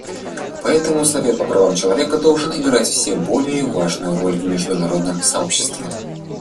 Поэтому Совет по правам человека должен играть все более важную роль в международном сообществе.